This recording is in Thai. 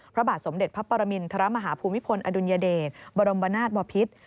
พระบาทสมเด็จพระปรมินทรมาฮภูมิพลอดุลยเดชบรมนาศบพิษ